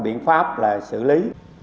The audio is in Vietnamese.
biện pháp là xử lý